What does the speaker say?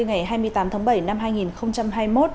ngày hai mươi tám tháng bảy năm hai nghìn hai mươi một